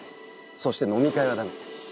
そして飲み会はだめ。